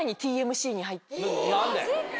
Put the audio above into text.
何で？